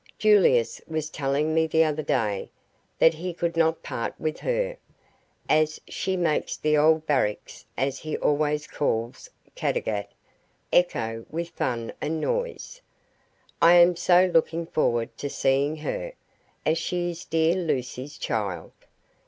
Julius was telling me the other day that he could not part with her, as she makes 'the old barracks', as he always calls Caddagat, echo with fun and noise. I am so looking forward to seeing her, as she is dear Lucy's child.